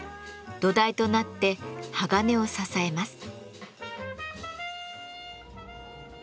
土台となって鋼を支えます。